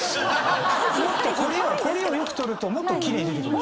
凝りをよく取るともっと奇麗に出てきます。